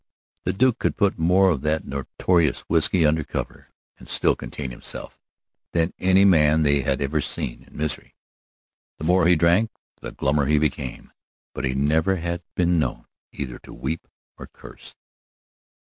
The Duke could put more of that notorious whisky under cover, and still contain himself, than any man they ever had seen in Misery. The more he drank the glummer he became, but he never had been known either to weep or curse.